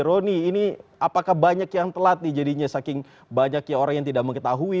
roni ini apakah banyak yang telat nih jadinya saking banyaknya orang yang tidak mengetahui